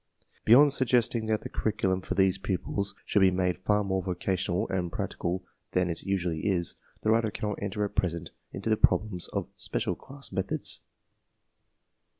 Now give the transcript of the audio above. Beyond suggesting that the curriculum for these pupils should be made far more vocational and practical than it usually is, the writer cannot enter at present into the problems of "special class" methods.